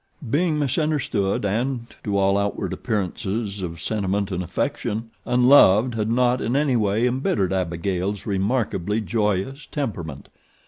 Being misunderstood and, to all outward appearances of sentiment and affection, unloved had not in any way embittered Abigail's remarkably joyous temperament.